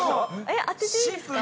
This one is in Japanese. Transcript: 当てていいですか。